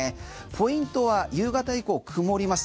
ポイントは夕方以降、曇ります。